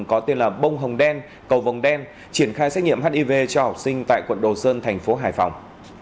có tên là bông hồng đen cầu vòng đen triển khai xét nghiệm hiv cho học sinh tại quận đồ sơn thành phố hải phòng